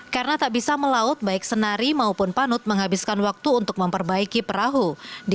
karena tak bisa melaut baik senari maupun panut menghabiskan waktu untuk memperbaiki perahu di